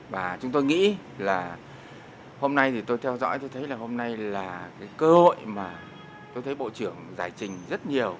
và chúng tôi nghĩ là hôm nay thì tôi theo dõi tôi thấy là hôm nay là cái cơ hội mà tôi thấy bộ trưởng giải trình rất nhiều